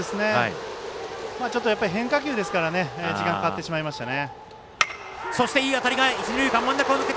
ちょっと変化球ですから時間がかかってしまいましたね。